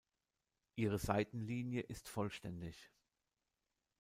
Ihre Seitenlinie ist vollständig.